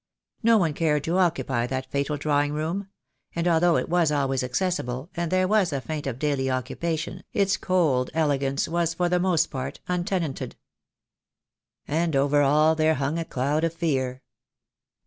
No one cared to occupy that fatal drawing room; and although it was always accessible, and there was a feint of daily occupation, its cold elegance was for the most part untenanted. "And over all there hung a cloud of fear."